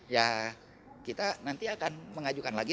ya kita nanti akan mengajukan lagi